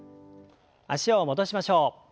脚を戻しましょう。